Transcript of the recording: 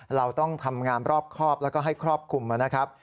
เราต้องทำงานรอบครอบแล้วก็ให้ครอบคลุมนะครับ